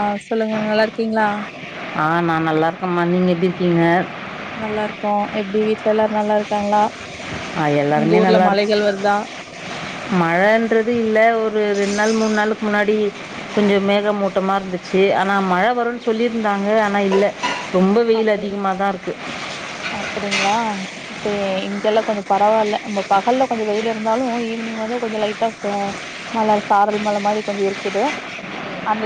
ஆ சொல்லுங்க நல்லா இருக்கீங்களா ஆ நான் நல்லா இருக்கேம்மா நீங்க எப்டி இருக்கீங்க நல்லா இருக்கோம் எப்டி வீட்ல எல்லாரும் நல்லா இருக்காங்களா ஆ எல்லாருமே உங்க ஊர்ல நல்லா இருக்கோம் மழைகள் வருதா மழைன்றது இல்ல ஒரு ரெண்டு நாள் மூணு நாளுக்கு முன்னாடி கொஞ்சம் மேகமூட்டமா இருந்துச்சு ஆனா மழை வரும்ன்னனு சொல்லியிருந்தாங்க ஆனா இல்லை ரொம்ப வெயில் அதிகமாதான் இருக்கு அப்டிங்களா இப்ப இங்கெல்லாம் கொஞ்சம் பரவால்ல நம்ம பகல்ல கொஞ்சம் வெயில் இருந்தாலும் ஈவினிங் வந்து கொஞ்சம் லைட்டா மழ சாரல் மழ மாதிரி கொஞ்சம் இருக்குது அந்த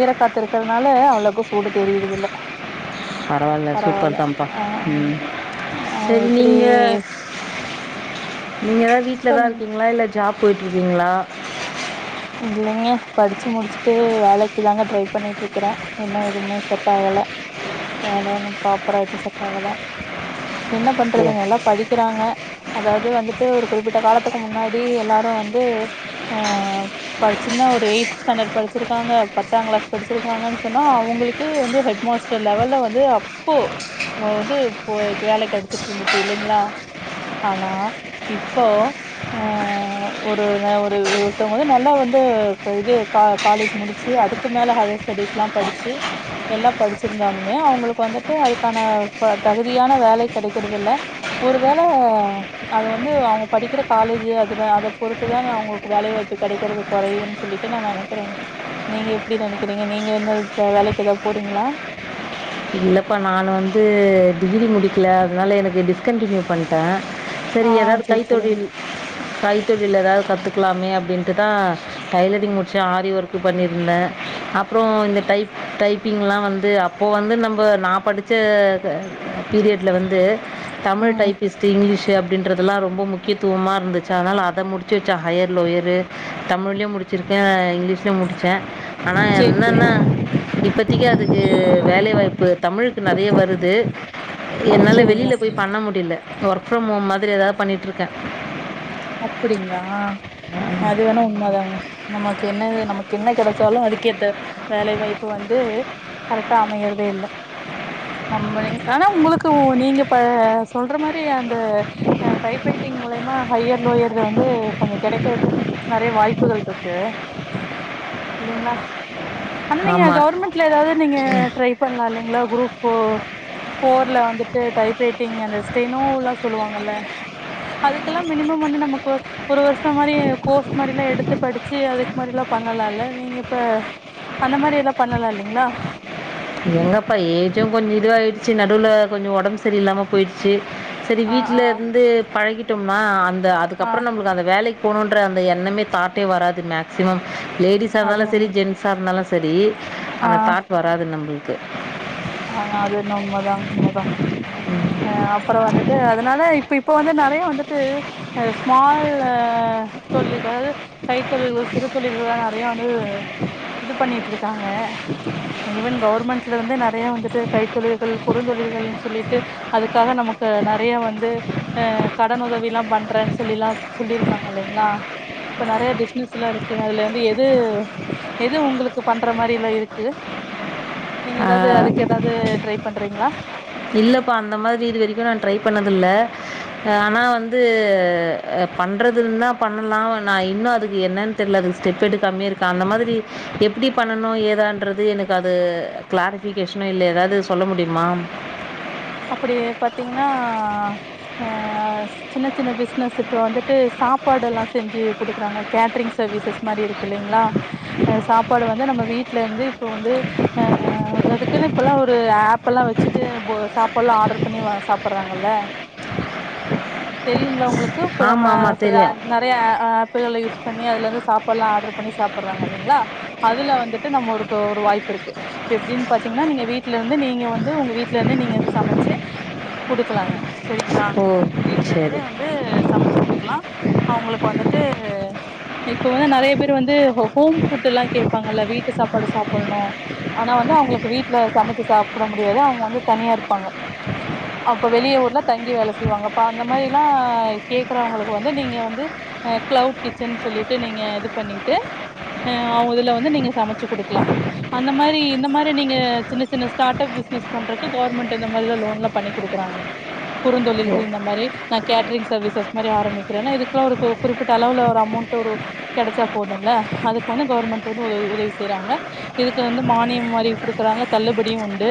ஈரக்காத்து இருக்கிறதுனால அவ்வளவுக்கும் சூடு தெரிரது இல்ல பரவால்ல சூப்பர் தாம்ப்பா ஆ ஆ ம் ஆ எப்டி நீங்க ஏதாது வீட்லதா சொல்லுங்க இருக்கீங்ளா இல்ல ஜாப் போயிட்டு இருக்கீங்ளா இல்லைங்க படிச்சு முடிச்சுட்டு வேலைக்கு தாங்க ட்ரை பண்ணிட்டு இருக்கறே இன்னு எதுமே செ ட்டாகல வேல எது ப்ராப்பரா எது செட் ஆகல என்ன ஓ பண்றதுங்க எல்லா படிக்கிறாங்க அதாவது வந்துட்டு ஒரு குறிப்பிட்ட காலத்துக்கு முன்னாடி எல்லாரு வந்து ஆ படிச்சுன்னா ஒரு எயி்த் ஸாண்டர்ட் படிச்சிருக்காங்க பத்தாங் கிளாஸ் படிச்சிருக்காங்கன் சொன்னா அவங்ளுக்கே வந்து ஹெட் மாஸ் டர் லெவல்ல வந்து அப்போ வந்து ப்ப வேல கெடைச்சிட்டு இருந்துச்சு இல்லைங்ளா ஆனா இப்போ ஆ ஒருங்க ஒரு ஒருத்தவ்ங்க வந்து ந ல்லா வந்து இது கா காலேஜ் முடிச்சு அதுக்கு மேல ஹையர் ஸ்டடிஸ்லா படிச்சு எல்லா படிச்சிருந்தாலுமே அவுங்களுக்கு வந்துட்டு அதுக்கான ப தகுதியான வேலை கிடைக்குறது இல்ல ஒரு வேள அது வந்து அவுங்க படிக்கிற காலேஜூ அதுல அத பொறுத்துதான அவுங்களுக்கு வேலை வாய்ப்பு கெடைக்குறது கொறையுதுன் சொல்லிட்டு நா நெனைக்கிறே நீங்க எப்டி நெனைக்கிறீங்க நீங்க எங்காது வேலைக்கு எதா போறீங்ளா இல்லப்பா நானு வந்து டிகிரி முடிக்கல அதனால எனக்கு டிஸ்கன்ட்டினியூ பண்ட்டே ஆ சரி ஆ ஏதாது சேரி சேரிங்க கைத்தொழில் கைத்தொழில் ஏதா கத்துக்கலாமே அப்டின்ட்டுதா டைலரிங் முட்ச்சே ஆரி ஒர்க்கு பண்ணிருந்தே அப்றோ இந்த டைப் டைப்பிங்லா வந்து அப்போ வந்து ம்போ நா படிச்ச அ பீரியட்ல வந்து தமிழ் ம் டைப்பிஸ்ட்டு இங்கிலீஷூ ப்டின்றதுலா ரொம்ப முக்கியத்துவமா இருந்துச்சு அதனால அத முடிச்சு வச்சே ஹையரு லோயரு தமிழ்ல முடிச் சுருக்கே இங்கிலீஷ் லயு முடிச்சே ஆனா சேரி சேரி என்னன்னா இப்பத்தக்கி அதுக்கு வேலை வாய்ப் பு தமிழுக்கு நெறைய வருது என்னால சேரிங்க வெளில போய் பண்ண முடில ஒர்க் ஃப்ரம் ஹோம் மாதிரி ஏதாது பண்ணிட்ருக்கே அப்டிங்ளா அது வேணா உண்ம தாங்க நமக்கு என்னது நமக்கு என்ன கெடைச்சாலு அதுக்கேத்த வேலை வாய்ப்பு வந்து கரெக்ட்டா அமையிறதே இல்ல நம்மலேங் ஆனா உங்களுக்கு நீங்க ப சொல்ற மாரி அந்த டைப்ரைட்டிங் மூலியமா ஹையர் லோயர்ல வந்து கொஞ்சோ கெடைக்கறக்கு நெறைய வாய்ப்புகள் இருக்கு இல்லைங்ளா ஆனா நீங்க ஆமாம் கவர்மெண் ட்ல ஏதாவ்து நீங்க ட்ரை பண்லா இல்லைங்களா குரூப் ஃபோர் ஃபோர்ல வந்துட்டு டைப் ரைட்டிங் அந்த ஸ்டெனோ ல்லா சொல்லுவாங்கல்ல அதுக் கெலா மினிமம் வந்து நமக்கு ஒரு வருஷ மாரி கோர்ஸ் மாரிலா எடுத்து படிச்சி அதுக்கு மாரிலா பண்ணலால்ல நீங்க இப்ப அந்த மாரிலா பண்ணலா இல்லைங்களா எங்கப்பா ஏஜு கொஞ்ச இதுவா ஆயிடுச்சு நடுவுல கொஞ்சோ ஒடம் பு சரி இல்லாம போயிடுச்சு சரி ஆ வீட்ல ஆ இருந்து பழகிட்டோமா அந்த ஆ அதுக்கப்றோ நம்மளுக்கு அந்த வேலைக்கு போனோன்ற அந்த எண்ணமே தாட்டே வராது மேக் சிமம் லேடிஸா அது இருந்தாலு ஒண்ணு சரி ஜென்ஸா இருந்தாலு சரி அந்த ஆ தாட் வராது நம்ளுக் கு ஆமா அது என்ன உண்மதா உண்மதா அ ப்பறோ வந்துட்டு அதனால இப்ப இப்ப வந்து நெறைய வந்துட்டு அ ஸ்மால்ல சொல்லுகள் கைத்தொழில்கள் சிறு தொழில்கள்லா நறையா வந்து இது பண்ணிட்ருக்காங்க ஈவன் கவுர்மெண்ட்லருந்தே ந றையா வந்துட்டு கைத்தொழில்கள் குறுந்தொழில்கள்ன் சொல்லிட்டு அதுக்காக நமக்கு நறைய வந்து அ கடன் உதவிலா பண்றேன் சொல்லிலா சொல்லிருக்காங்க இல்லைங்ளா? இப்ப நறையா பிஸ்னஸ்லா இருக்கு அதுல வந்து எது எது உங்குளுக்கு பண்ற மாரிலா இருக்கு? நீங்க எதாவ்து அதுக்கு எதாவ்து ட்ரைப் பண்றீங்ளா? இல்லப்பா அந்த மாரி இது வரைக்கு நா ட்ரை பண்ணதில்ல. அ ஆனா வந்து அ பண்றதில்னா பண்ணலாவ் நா இன்னு அதுக்கு என்னன் தெர்ல அதுக் ஸ்டெப் எடுக்காமே இருக்கா அந்த மாதிரி எப்பிடி பண்ணனு ஏதான்றது எனக்கு அது கிளாரிஃபிகேஷனோ இல்ல எதாது சொல்ல முடிமா? அப்பிடியே பாத்தீங்கன்னா அ ஸ் சின்ன சின்ன பிசினஸ் இப்ப வந்துட்டு சாப்பாடு எல்லா செஞ்சு குடுக்குறாங்க கேட்ரிங் சர்வீசஸ் மாரி இருக்கு இல்லைங்ளா? அ சாப்பாடு வந்து நம்ம வீட்லந்து இப்போ வந்து அ [unintelligible] அதுக்குனு இப்பெல்லா ஒரு ஆப்பெல்லா வெச்சுட்டு போ ஸ் சாப்பால்லா ஆட்ர் பண்ணி வா சாப்பறாங்கள்ல தெரிவிங்ளா உங்குளுக் கு இப்ப நம்ம ஆமாம் ஆமாம் செ யார் தெரியும் நறையா அ ஆப்பிளெல்லா யூஸ் பண்ணி அதுலந்து சாப்பாட்லா ஆட்ரு பண்ணி சாப்பட்றாங்க இல்லைங்ளா அதுல வந்துட்டு நம்ம ஒருக ஒரு வாய்ப்பு இருக்கு. இப்ப எப்டின் பாத்தீங்ன்னா நீங்க வீட்லருந்து நீங்க வந்து உங்க வீட்லந்தே நீங்க [unintelligible] சமச்சு குடுக்கலாங்க செரிங்ளா ஓ சரி வீட்லருந்தே வந்து ட்டு சமச்சு குடுக்கலா அவுங்களுக்கு வந்துட்டு அ இப்ப வந்து நெறைய பேரு வந்து ஹொ ஹோம் ஃபுட்டெல்லா கேப்பாங்கல்ல வீட்டு சாப்பாட சாப்படணு ஆனா வந்து அவுங்களுக்கு வீட்ல சமச்சு சாப்ட முடியாது அவுங்க வந்து தனியாருப்பாங்க. அப்ப வெளிய ஊர்ல தங்கி வேல செய்வாங்க அப்ப அந்த மாரில்லா கேக்கறவங்களுக்கு வந்து நீங்க வந்து அ கிளவுட் கிச்சன் சொல்லிட்டு நீங்க இது பண்ணிட்டு அ அவுங் இதுல வந்து நீங்க சமச்சு குடுக்கலா அந்த மாரி இந்த மாரி நீங்க சின்ன சின்ன ஸ் டாட்டப் பிசினஸ் பண்றக்கு கவுர்மெண்ட் இந்த மாரிலா லோன்லா பண்ணி குடுக்கறாங்க. குறுந்தொழில்கள் இந்த மாரி நா கேட்ரிங் சர்வீசஸ் மாரி ஆரம்பிக்கிறேன்னா இதுக்கெலா ஒரு கு குறிப்பிட்ட அளவுல ஒரு அமௌண் டொரு கெடைச்சா போதுல்ல அதுக்கு வந்து கவுர்மெண்ட் வந்து உதவ் உதவி செய்றாங்க. இதுக்கு வந்து மானியம் மாரி குடுக்கறாங்க தள்ளுபடியு உண்டு.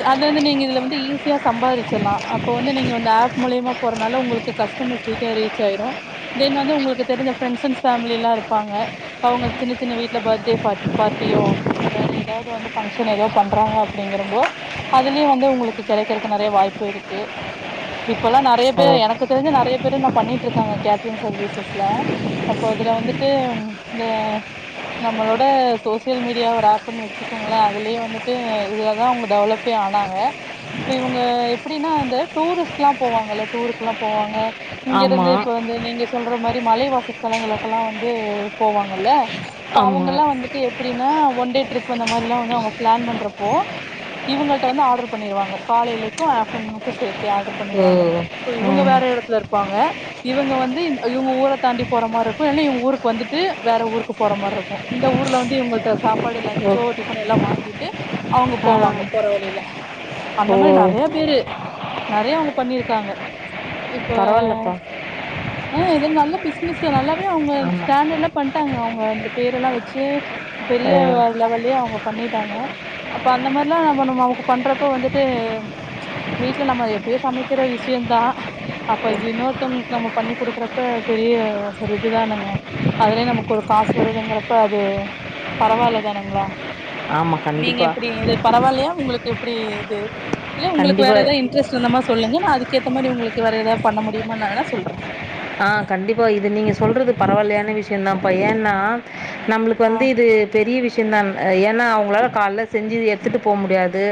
து அது வந்து நீங்க இதுல வந்து ஈஸியா சம்பாரிச்சிர்லா அப்போ வந்து நீங்கவ இந்த ஆப் மூலியமா போறனால உங்குளுக்கு கஸ்டமர்ஸ் குயிக்கா ரீச் ஆயிரு தென் வந்து உங்குளுக்கு தெரிஞ்ச ஃப்ரெண்ஸ் அண் ஃபேமிலி எல்லா இருப்பாங்க. அவுங்க சின்ன சின்ன வீட்ல பர்த்டே ஃவாட் பார்ட்டியோ இல்ல வேற எதாது வந்து பங்க்ஷன் எதோ பண்றாங்க அ ப்பிடிங்கிறம்போ அதுலியு வந்து உங்குளுக்கு கெடைக்கறக்கு நெறைய வாய்ப்பு இருக்கு. இப்பல்லா நறைய ஓ பேரு எனக்கு தெரிஞ்சு நறைய பேரு இன்னு பண்ணிட்ருக்காங்க கேட்ரிங் சர்வீசஸ் ச்ல அப்போ அதுல வந்துட்டு இந்த நம்மளோட சோசியல் மீடியா ஒரு ஆப்ன் வெச்சுக்கோங்களே அதுலியு வந்துட்டு இதுலதா அவுங்க டெவலப் பே ஆனாங்க இப்போ இவுங்க எப்டின்னா அந்த டூரிஸ்ட்லா போவாங்கல்ல டூருக்குலா போவாங்க இங்கிருந்து ஆமாம் இப்ப வந்து நீங்க சொல்ற மாரி மலைவாசஸ்தலங்களுக்கெல்லா வந்து போவாங்கல்ல ப்போ ஆமாம் அவுங்கெல்லா வந்து ட்டு எப்டின்னா ஒன்டே ட்ரிப்பு அந்த மாரில்லா வந்து அவுங்க பிளான் பண்றப்போ இவுங்கள்ட்ட வந்து ஆட்ரு பண்ணிருவாங்க காலைலிக்கு ஆஃப்டர்நூனுக்கு சேத்து ஆட்ரு ஓ பண்ணிருவாங்க. இப்போ இவுங்க ம் வேற எடத்துல இருப்பாங்க இவுங்க வந்து இந் இவுங்க ஊர தாண்டி போற மார்ருக்கு இல்லனா இவுங்க ஊருக்கு வந்துட்டு வேற ஊருக்கு போற மார்ருக்கு. இந்த ஊர்ல வந்து இவங்கட்ட சாப்பாடு ஓ லஞ்சோ டிஃபன் எல்லா வாங்கிட்டு அவங்க ஆ போவாங்க போற வழில அந்த ஓ மாரி நெறைய பேரு நெறைய அவ்ங்க பண்ணிருக்காங்க இப்ப பரவாயில்லப்பா அ இது நல்ல பிசினஸ் நல்லாவே அவங்க ஆமாம் ஸ்டாண்ட்லா பண்டாங்க அவ்ங்க அந்த பெயரெல்லா வெச்சு பெரிய லெவல்லயே அவ்ங்க பண்ணிட்டாங்க அப்ப அந்த மாரிலா நம்ம நம்ம அவக்கு பண்றப்ப வந்துட்டு வீட்ல நம்ம எப்பயோ சமைக்கிற விஷயந் தான் அப்ப இது இன்னொருத்தவங்ளுக்கு நம்ம பண்ணி குடுக்கறப் ப பெரிய ஒரு இதுதானானுங்க அதுலயே நமக்கு ஒரு காசு வருதுங்கிறப்ப அது பரவால்ல தானங்களா ஆமாம் நீங்க எப்டி கண்டிப்பாக இது பரவால்லையா உங்ளுக்கு எப்டி இது இல்ல உங்ளுக்கு வேற கண்டிப்பாக எதா இன்டரெஸ்ட் இருந்த மா சொல்லுங்க நா அதுக்கேத்த மாரி உங்ளுக்கு வேற ஏதாவது பண்ண முடியும நா வேணா சொல்ற ஆ கண்டிப்பா இது நீங்க சொல்றது பரவால்லையான விஷ்யந்தாப்பா ஏன்னா நம்ளுக்கு ஆ வந்து இது பெரிய விஷ்யந்தான் ஏனா அவங்களால கால்லா செஞ்சி எத்துட்டு போ முடியாது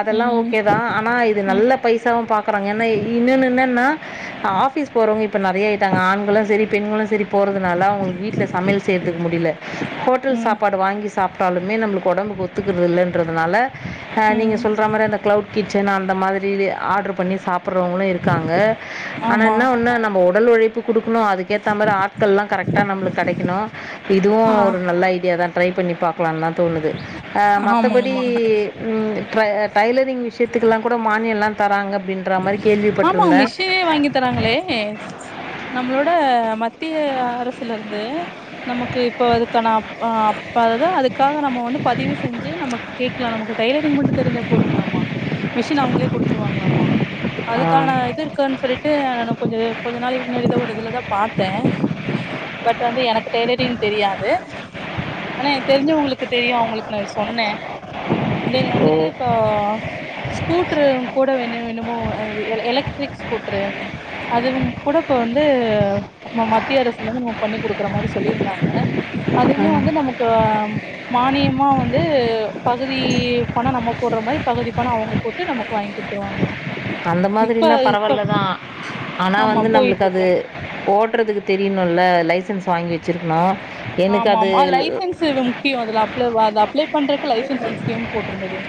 அதல்லா ம் ஓகேதா ஆனா இது ம் நல்லப் பைசாவு பாக்கறாங்க ஏனா இன்னோன்னு என்னன்னா ஆபிஸ் போறவங்க இப்ப நெறைய ஆயிட்டாங்க ஆண்களு செரி பெண்களு செரி போறதுனால அவங்களுக்கு வீட்ல் சமையல் செய்ற்துக்கு முடில ஹோட்டல் ம் சாப்பாடு வாங்கி சாப்ட்டாலுமே நம்ளுக்கு உடம்புக்கு ஒத்துக்கிறது இல்லைன்றதுனால அ நீங்க ம் சொல்ற மாரி அந்த கிளவுட் கிச்சன் அந்த மாதிரி ஆர்டரு பண்ணி சாப்பற்றவங்களு இருக்காங்க ஆனா ஆமா ன்னா ஒன்னா நம் ஒடல் உழைப்பு குடுக்கணு அதுக்கு ஏத்த மாரி ஆட்கள்லா கரெக்டா நம்ளுக் கெடைக்கணு இதுவு ஆ ஒரு நல்ல ஐடியா தான் ட்ரை பண்ணி பாக்கலான்னு தா தோணுது அ‌ ஆமா மத்தபடி ஆமா ம் ட்ரை டைலரிங் விஷயத்துக்கெல்லா கூட மானியல்லா தராங்க அப்டின் மாரி ஆமா கேள்விப்பட்டிருந்த மிஷினே வாங்கி தராங்களே நம்மளோட மத்திய அரசுலருந்து நமக்கு இப்ப அதுக்கான அப் அப்பதுதா அதுக்காக நம்ம வந்து பதிவு செஞ்சு நமக் கேக்கலா நமக்கு டைலரிங் மட்டு தெரிஞ்சா போதுங்கலாமா மிஷின் அவங்களே குடுத்துருவாங்களாமா ஆ அதுக்கான இது இருக்குகான சொல்லிட்டு நா கொஞ்ச கொஞ்ச நாளைக்கு முன்னாடிதா ஒரு இதுலதா பாத்தே பட் வந்து எனக்கு டைலரிங் தெரியாது ஆனா எனுக் தெரிஞ்சவங்களுக்கு தெரியு அவங்களுக்கு நா சொன்னே மின்ன ஓ வந்துட்டு இப்ப ஸ்கூட்டரு கூட வெணு வெணு மோ அது எலக்ட்ரிக் ஸ்கூட்டரு அதுவு கூடஇப்ப வந்து மத்திய அரசுலந்து நமக்கு பண்ணி குடுக்குற மாதிரி சொல்லியிருந்தாங்க அதுமே வந்து நமக்கு மானியமா வந்து பகுதி பணம் நம்ம போட்ற மாரி பகுதி பணம் அவ்ங்க போட்டு நமக்கு வாங்கி குத்துருவாங்க அந்த மாதிரின்னா பரவால்ல தா ஆனா ஆமா வந்து போயிட்டு நம்ளுக்கு அது இருக்கு ஓட்றதுக்கு தெரியணுல்ல லைசன்ஸ் வாங்கி வெச்சிருக்கணு ஆமா ஆமா லைசன்ஸ் முக்கியோ அதுல அப் அத அப்ளை பண்றக்கு லைசன்ஸ் முக்கியோன் போட்டிருந்தது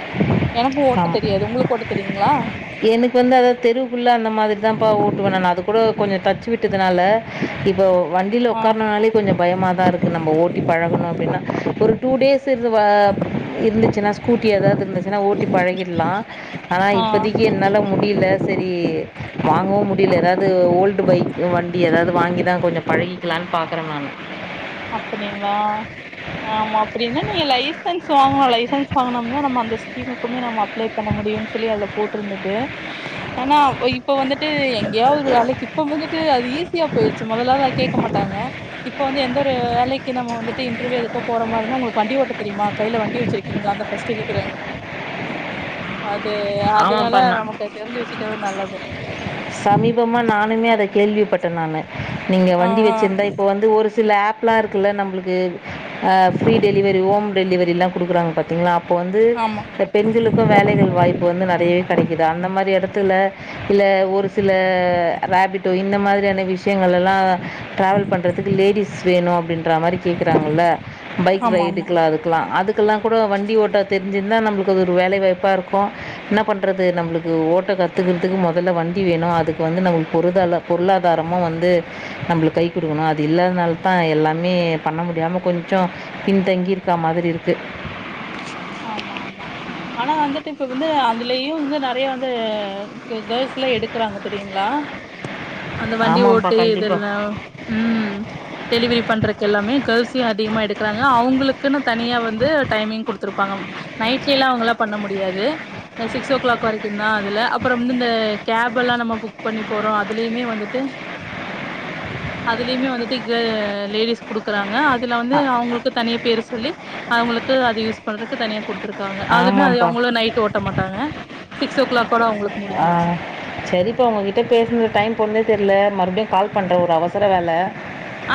எனக்கு ஓட்ட ஆமாம் தெரியாது உங்களுக்கு ஓட்ட தெரியுங்களா எனக்கு வந்து அதாவது தெருவுக்குள்ள அந்த மாதிரி தான்ப்பா ஓட்டுவேண் நான் அது கூட கொஞ்சம் டச்ச வி டுதனால இப்ப வண்டில ஆ உக்கார்னாலே கொஞ்சம் பயமா தா இருக்கு நம்ம ஓட்டி பழகணு அப்டின்னா ஒரு டூ டேஸ் இருந்து வா இருந்துச்சுன்னா ஸ்கூட்டி ஏதாவது இருந்துச்சுன்னா ஓட் பழகிற்றலா ஆனா ஆ இப்பதிக்கு என் எனால முடில செரி வாங்கவு முடில ஏதாது ஓல்டு பைக் வண்டி எதாது வாங்கி தா கொஞ்சம் பழகிக்கலான் பாக்கற நானு அப்படிங்ளா ஆமா அப்டின்னா நீங்க லைசன்ஸ் வாங்கணு லைசன்ஸ் வாங்கன தா நம்ம அந்த ஸ்கீமு எதுக்குமே நம்ப அப்ளை பண்ண முடியுன் சொல்லி அதுல போட்டிருந்தது ஆனா இப்ப வந்துட்டு எங்கேயாவது ஒரு வேலைக்கு இப்ப வந்துட்டு அது ஈஸியா போயிடுச்சு முதல்லா கேக்க மாட்டாங்க இப்போ வந்து எந்த ஒரு வேலைக்கு நம்ம வந்துட்டு இன்டர்வியு எதுக்கோ போற மாரி இருந்தா உங்களுக்கு வண்டி ஓட்ட தெரியுமா கையில வண்டி வச்சிருக்கீங்களா அதா ஃபஸ்ட் கேக்குறாங்க அது அதனால ஆமாம்ப்பா நான் நமக்கு தெரிஞ்சு வச்சுக்கிறது நல்லது சமீபமா நானுமே அத கேள்விப்பட்ட நானு நீங்க ஆ வண்டி ஆ வச்சிருந்தா இப்போ வந்து ஒரு சில ஆப் ப்லா இருக்குல நம்மளுக்கு ஃப்ரீ டெலிவரி ஹோம் டெலிவரில்லா கொடுக்குறாங்க பாத்தீங்ளா இப்போ வந்து ஆமா பெண்களுக்கு வேலைகள் வாய்ப்பு வந்து நெறையவே கிடைக்குது அந்த மாரி எடத்துல இல்ல ஒரு சில ரேபிட்டோ இந்த மாரியான விஷயங்கள் எல்லா டிராவல் பண்றதுக்கு லேடிஸ் வேணு அப்டின்ற மாரி கேக்குறாங்கல பைக் ஆமா ஆமா ரைடுக்குலா அதுக்கலா அதுக் குல்லா கூட வண்டி ஓட்ட தெரிஞ்சிருந்தா நம்மளுக்கு அது ஒரு வேலைவாய்ப்பா இருக்கு என்ன பண்றது நம்ளுக்கு ஓட்ட காத் துகுறதுக்கு மொதல வண் டி வேணு அதுக்கு வந்து நாங்க பொருதாள பொருளாதாரமா வந்து நம்பளுக்கு கை கொடுக்கணு அது இல்லனால தா எல்லாமே பண்ண முடியாம கொஞ்சோ பின்தங்கிருக்கா மாதிரி இருக்கு ஆமா ஆமா ஆனா வந்துட்டு இப்ப வந்து அதுலயு வந்து நெறைய வந்து கேள்ஸ்லா எடுக் இருக்கறாங்க தெரியுங்களா அந்த வண்டி ஆமாம்ப்பா ஓட்டு இதெல்லா கண்டிப்பாக ம் டெலிவரி பண்றக்கு எல்லாமே கேள்ஸையு அதிகமாக எடுக்கிறாங்க அவங்களுக்குன்னு தனியாக வந்து டைமிங் கொடுத்துருப் ப்பாங்க நைட்ல எல்லா அவங்களா பண்ண முடியாது சிக்ஸ் ஓ கிளாக் வரைக்கு தா அதுல அப்பறவந்து இந்த கேப் எல்லா நம்ம புக் பண்ணி போறோ அதுலயுமே வந்துட்டு அதுலயுமே வந்துட்டு க லேடிஸ் குடுக்குறாங்க அதுல வந்து ஆ அவங்களுக்கு தனிய பேரு சொல்லி அவங்களுக்கு அது யூஸ் பண்றதுக்கு தனியா கொடுத்துருக்காங்க அதுமே அது ஆமாம்ப்பா அவங்கள நைட் ஒர் ஓட்டமாட்டாங்க சிக்ஸ் ஓ கிளாக் ஓட அவங்களுக்கு ஆ முடிஞ்சிருச்சு சரிப்பா உங்ககிட்ட பேசன டைம் போனதே தெரில மறுபடியு கால் பண்ற ஒரு அவசர வேல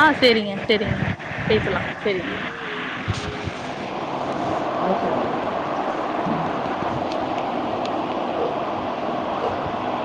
ஆ செரிங்க செரிங்க பேசலா செரிங்க